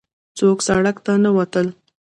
څوک سړک ته نه وتل.